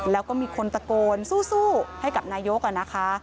แล้วก็มีคนตะโกนสู้ให้กับนายกนะคะ